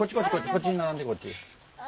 こっちに並んでこっち。